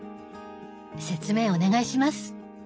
説明お願いします。